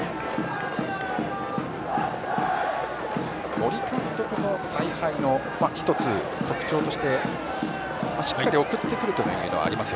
森監督の采配の一つ特徴としてしっかり送ってくるのがあります。